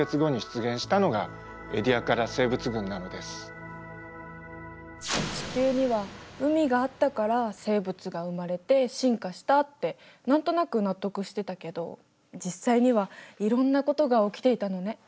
例えば地球には海があったから生物が生まれて進化したって何となく納得してたけど実際にはいろんなことが起きていたのね。